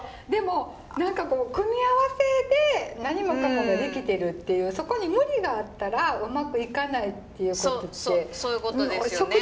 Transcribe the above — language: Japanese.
でも何かこう組み合わせで何もかもができてるっていうそこに無理があったらうまくいかないっていうことって。